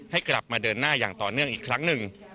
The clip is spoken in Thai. ให้กลับมาเดินหน้าอย่างต่อเนื่องอีกครั้งหนึ่ง